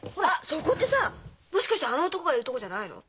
そこってさもしかしてあの男がいる所じゃないの？